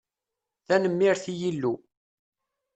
Tanemmirt i Yillu.